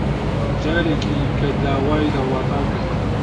جارێکی کە داوای لە وڵاتان کرد